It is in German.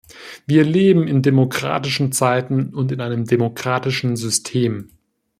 Wir leben in demokratischen Zeiten und in einem demokratischen System.